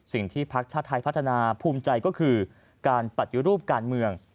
สิ่งที่ภาคชาติไทยพัฒนาภูมิใจก็คือการปัดยุรูปการเมือง